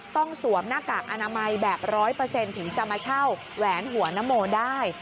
สวมหน้ากากอนามัยแบบ๑๐๐ถึงจะมาเช่าแหวนหัวนโมได้